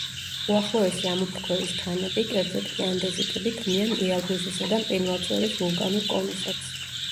უახლოესი ამოფრქვევის ქანები, კერძოდ კი ანდეზიტები, ქმნიან იალბუზისა და მყინვარწვერის ვულკანურ კონუსებს.